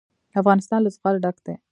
افغانستان له زغال ډک دی.